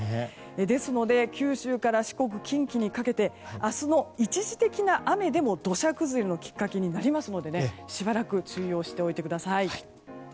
ですので、九州から四国近畿にかけて明日の一時的な雨でも土砂崩れのきっかけになりますのでしばらく注意をしておいてください。